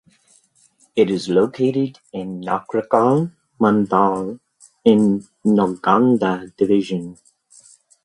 It is located in Nakrekal mandal in Nalgonda division.